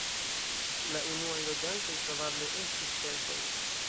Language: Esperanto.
La unuaj loĝantoj probable estis keltoj.